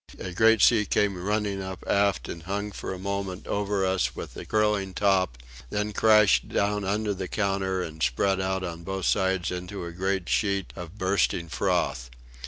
A great sea came running up aft and hung for a moment over us with a curling top; then crashed down under the counter and spread out on both sides into a great sheet of bursting froth.